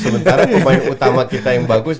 sementara pemain utama kita yang bagus